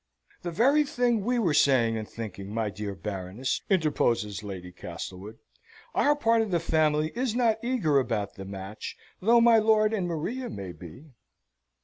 "The very thing we were saying and thinking, my dear Baroness!" interposes Lady Castlewood. "Our part of the family is not eager about the match, though my lord and Maria may be."